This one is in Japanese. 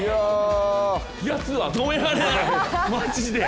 やつは止められないマジで。